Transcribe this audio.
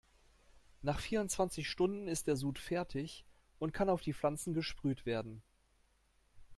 Nach vierundzwanzig Stunden ist der Sud fertig und kann auf die Pflanzen gesprüht werden.